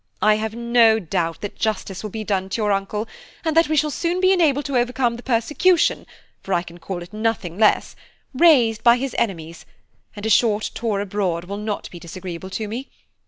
I have no doubt that justice will be done to your uncle, and that we shall soon be enabled to overcome the persecution, for I can call it nothing less, raised by his enemies, and a short tour abroad will not be disagreeable to me.